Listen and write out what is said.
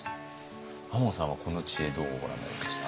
亞門さんはこの知恵どうご覧になりました？